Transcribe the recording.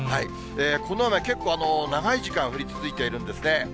この雨、結構、長い時間降り続いているんですね。